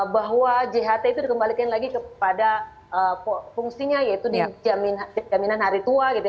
bahwa jht itu dikembalikan lagi kepada fungsinya yaitu di jaminan hari tua gitu